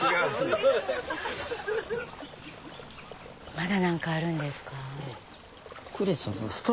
まだ何かあるんですか？